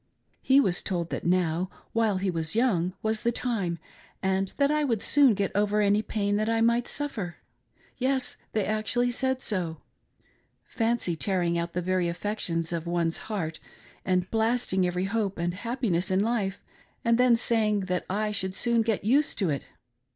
He was told that now while he was young was the time, and that I would soon get over any pain that I might suffer. Yes, they actually said so. Fancy tearing out the very affections of one's heart and blast ihg every hope and, happiness in life, and then saying that 1 should soon "get used to it!"